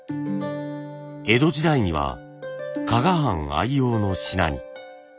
江戸時代には加賀藩愛用の品に。